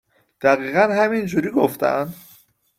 دقیقا همینجوری گفتن ؟